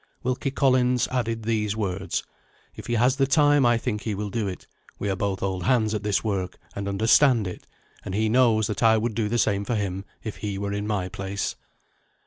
Wilkie Collins added these words: "If he has the time I think he will do it: we are both old hands at this work, and understand it, and he knows that I would do the same for him if he were in my place."